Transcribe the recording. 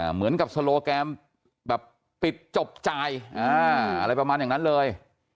เหมือนกับโซโลแกนแบบปิดจบจ่ายอะไรประมาณอย่างนั้นเลย